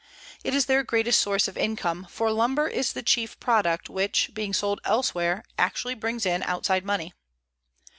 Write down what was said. It is their greatest source of income, for lumber is the chief product which, being sold elsewhere, actually brings in outside money.